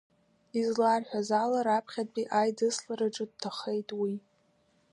Изларҳәаз ала раԥхьатәи аидыслараҿы дҭахеит уи.